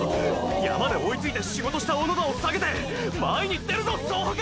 山で追いついて仕事した小野田を下げて前に出るぞ総北！！